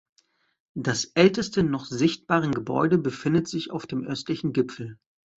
Das älteste noch sichtbaren Gebäude befindet sich auf dem östlichen Gipfel.